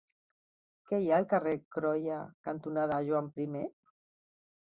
Què hi ha al carrer Croia cantonada Joan I?